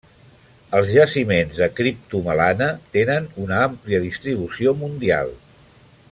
Els jaciments de criptomelana tenen una àmplia distribució mundial.